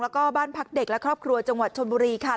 แล้วก็บ้านพักเด็กและครอบครัวจังหวัดชนบุรีค่ะ